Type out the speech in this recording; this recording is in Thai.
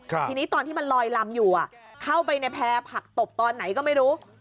ทีนี้ตอนที่มันลอยลำอยู่เข้าไปในแพร่ผักตบตอนไหนก็ไม่รู้